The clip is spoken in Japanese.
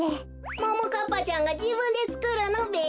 ももかっぱちゃんがじぶんでつくるのべ？